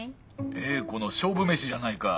詠子の勝負メシじゃないか。